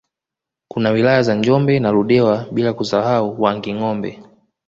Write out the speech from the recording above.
Kuna wilaya za Njombe na Ludewa bila kusahau Wangingombe